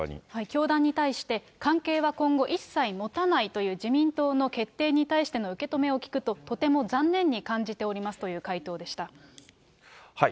教団に対して、関係は今後、一切持たないという自民党の決定に対しての受け止めを聞くと、とても残念に感じておりますという回答でした。